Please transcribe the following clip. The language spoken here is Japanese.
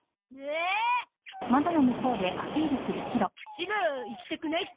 シロ行きたくないって。